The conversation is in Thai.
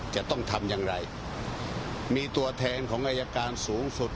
จะต้องทำอย่างไรมีตัวแทนของอายการสูงสุด